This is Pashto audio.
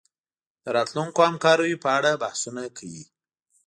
د راتلونکو همکاریو په اړه بحثونه کوي